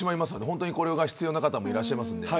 ほんとに、これが必要な方もいらっしゃるんで。